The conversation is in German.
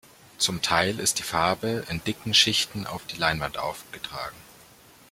Zum Teil ist die Farbe in dicken Schichten auf die Leinwand aufgetragen.